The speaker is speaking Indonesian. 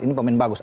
ini pemain bagus